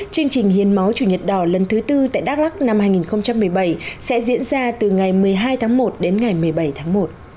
chương trình hiến máu chủ nhật đỏ lần thứ tư tại đắk lắc năm hai nghìn một mươi bảy sẽ diễn ra từ ngày một mươi hai tháng một đến ngày một mươi bảy tháng một